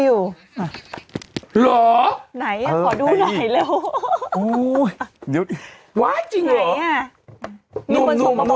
อยู่อ่ะหรอไหนอ่ะขอดูหน่อยเร็วอู้ยจริงหรอไหนอ่ะมีคนส่งมา